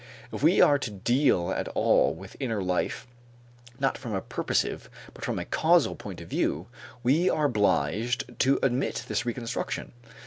If we are to deal at all with inner life not from a purposive but from a causal point of view, we are obliged to admit this reconstruction.